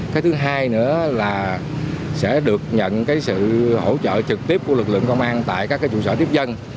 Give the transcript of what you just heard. cái thứ hai nữa là sẽ được nhận sự hỗ trợ trực tiếp của lực lượng công an tại các trụ sở tiếp dân